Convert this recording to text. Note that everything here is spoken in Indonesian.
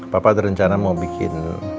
papa ada rencana mau bikin